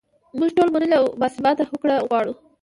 موږ ټول منلې او باثباته هوکړه غواړو.